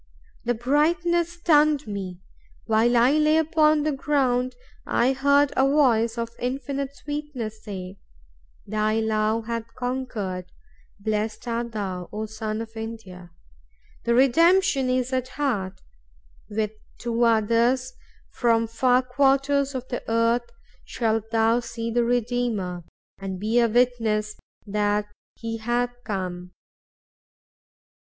The brightness stunned me. While I lay upon the ground, I heard a voice of infinite sweetness say, 'Thy love hath conquered. Blessed art thou, O son of India! The redemption is at hand. With two others, from far quarters of the earth, thou shalt see the Redeemer, and be a witness that he hath come.